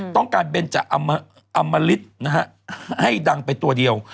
ต้องการเบนเจี๋ยอมมาลิตให้ดังไปตัวเดียว